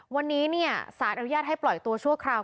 วันนี้สารอนุญาตให้ปล่อยตัวชั่วคราว